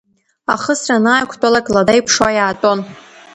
Ахысра анааиқәтәалак лада иԥшуа иаатәон…